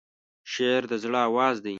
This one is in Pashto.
شعر د زړه آواز دی.